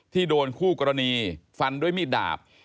ที่โดนคู่กรณีฟันด้วยมีดดาบ